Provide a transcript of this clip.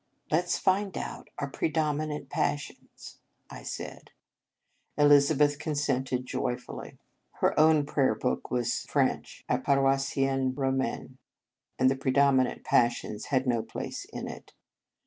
" Let s find out our predominant passions," I said. Elizabeth consented joyfully. Her own prayer book was French, a Pa roissien Romain^ and the predomi nant passions had no place in it.